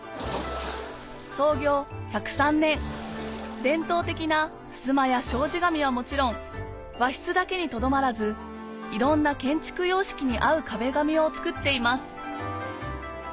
伝統的なふすまや障子紙はもちろん和室だけにとどまらずいろんな建築様式に合う壁紙を作っています